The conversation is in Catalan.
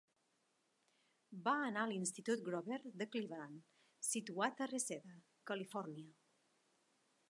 Va anar a l'Institut Grover de Cleveland, situat a Reseda, Califòrnia.